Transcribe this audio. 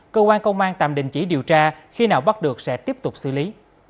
cơ quan công an tạm đình chỉ điều tra khi nào bắt được sẽ tiếp tục xử lý